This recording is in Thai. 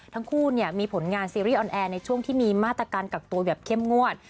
ทั้งคู่มีผลงานซีรีสออนแอร์ในช่วงที่มีมาตรการกักตัวแบบเข้มงวด